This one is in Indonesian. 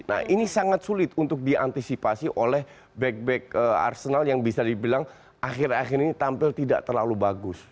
nah ini sangat sulit untuk diantisipasi oleh back back arsenal yang bisa dibilang akhir akhir ini tampil tidak terlalu bagus